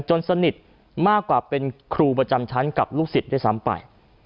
สนิทมากกว่าเป็นครูประจำชั้นกับลูกศิษย์ด้วยซ้ำไป